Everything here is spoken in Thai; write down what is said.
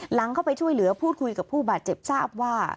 หลังเข้าไปช่วยเหลือพูดคุยกับผู้บาดเจ็บทราบว่า